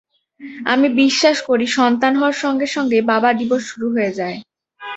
আমি বিশ্বাস করি, সন্তান হওয়ার সঙ্গে সঙ্গেই বাবা দিবস শুরু হয়ে যায়।